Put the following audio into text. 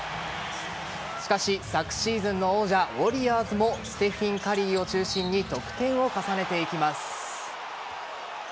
しかし昨シーズンの王者ウォリアーズもステフィン・カリーを中心に得点を重ねていきます。